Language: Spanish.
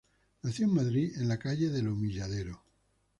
Nació en Madrid en la calle del Humilladero.